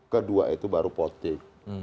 kedua itu baru potik